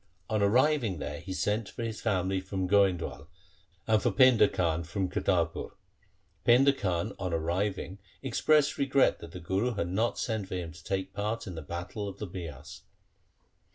On arriving there he sent for his family from Goind wal and for Painda Khan from Kartarpur. Painda Khan on arriving expressed regret that the Guru had not sent for him to take part in the battle of the Bias.